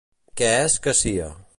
Què és que sia.